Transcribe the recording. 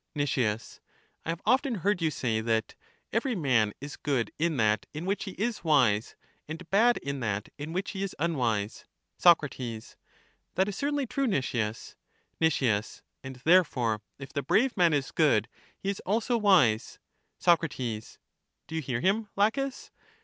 Nic. I have often heard you say that " Every manj is good in that in which he is wise, and bad in that! in which he is unwise." Soc. That is certainly true, Nicias. Nic. And therefore if the brave man is good, he is also wise. Soc. Do you hear him. Laches?